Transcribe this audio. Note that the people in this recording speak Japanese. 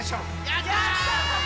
やった！